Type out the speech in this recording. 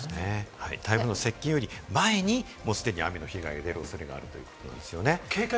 台風の接近より前に、もう既に雨の被害が出る恐れがあるということですね。